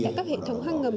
tại các hệ thống hang ngầm